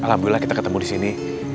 alhamdulillah kita ketemu disini